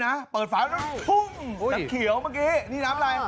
น้ำเขียวเมื่อกี้